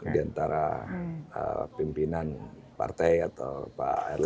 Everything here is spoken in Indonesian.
di antara pimpinan partai atau pak erlangga